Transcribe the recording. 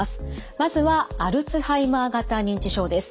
まずはアルツハイマー型認知症です。